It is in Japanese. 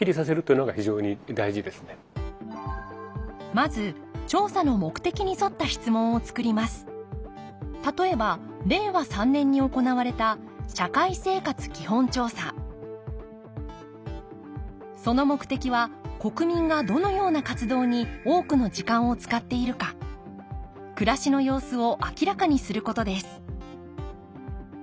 まず例えば令和３年に行われた社会生活基本調査その目的は国民がどのような活動に多くの時間を使っているか暮らしの様子を明らかにすることです